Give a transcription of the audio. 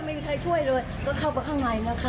ไม่มีใครช่วยเลยก็เข้าไปข้างในนะคะ